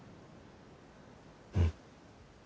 うん。